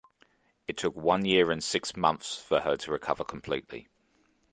It took one year and six months for her to recover completely.